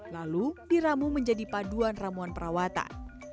lalu diramu menjadi paduan ramuan perawatan